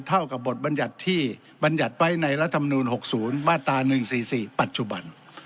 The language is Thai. เท่ากับบทบัญญัติที่บัญญัติไปในรัฐมนุน๖๐บ้าตา๑๔๔ปัจจุบัน